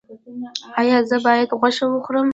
ایا زه باید غوښه وخورم؟